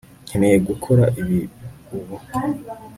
nkeneye gukora ibi ubu